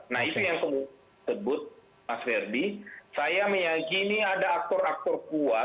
nah itu yang saya sebut mas ferdi saya meyakini ada aktor aktor kuat